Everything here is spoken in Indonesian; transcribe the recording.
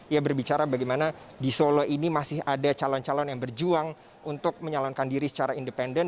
ia berbicara bagaimana di solo ini masih ada calon calon yang berjuang untuk menyalonkan diri secara independen